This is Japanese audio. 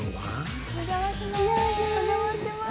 お邪魔します。